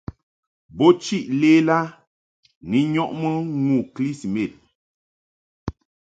Bo chiʼ lela ni nyɔʼmɨ ŋu kɨlismas.